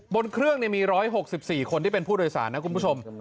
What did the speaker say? บนเครื่องมี๑๖๔คนที่เป็นผู้โดยสารนะคุณผู้ชม